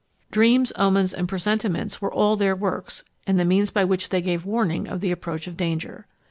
Dreams, omens, and presentiments were all their works, and the means by which they gave warning of the approach of danger.